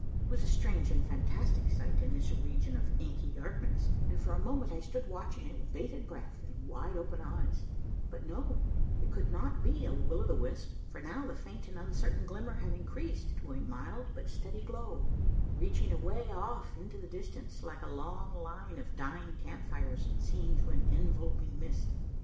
It was a strange and fantastic sight in this region of inky darkness, and for a moment I stood watching it with bated breath and wide opened eyes ; but no, it could not be a will with the wisp, for now the faint and uncertain glimmer had increased to a mild but steady glow, reaching away off in the distance like a long line of dying camp fires seen through an enveloping mist.